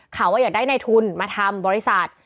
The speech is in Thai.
ข่าวว่าอยากได้ในทุนมาทำบริษัท